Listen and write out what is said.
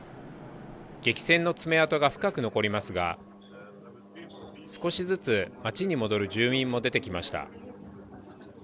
激戦の爪痕が深く残りますが、少しずつ街に戻る住民も出てきました。